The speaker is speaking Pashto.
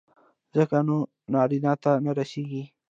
ځکه نو نارينه ته نه رسېږي.